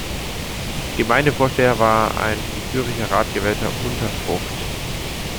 Gemeindevorsteher war ein vom Zürcher Rat gewählter "Untervogt".